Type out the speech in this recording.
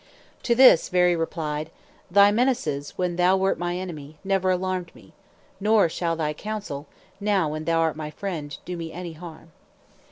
To this Veri replied: "Thy menaces when thou wert my enemy, never alarmed me; nor shall thy counsel, now when thou art my friend, do me any harm."